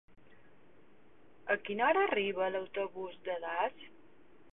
A quina hora arriba l'autobús de Das?